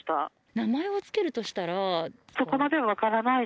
名前を付けるとしたら。